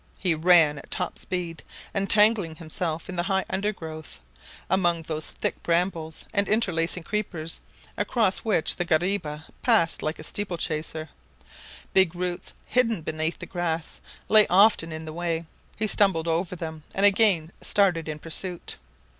He ran at top speed, entangling himself in the high undergrowth, among those thick brambles and interlacing creepers, across which the guariba passed like a steeplechaser. Big roots hidden beneath the grass lay often in the way. He stumbled over them and again started in pursuit.